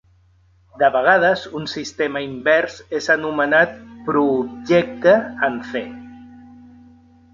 De vegades, un sistema invers és anomenat "proobjecte" en "C".